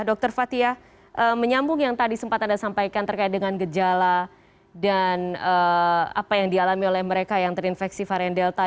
dr fathia menyambung yang tadi sempat anda sampaikan terkait dengan gejala dan apa yang dialami oleh mereka yang terinfeksi varian delta